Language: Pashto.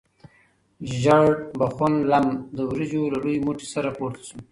ژیړبخون لم د وریجو له لوی موټي سره پورته شو.